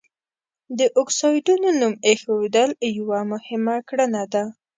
د اکسایډونو نوم ایښودل یوه مهمه کړنه ده.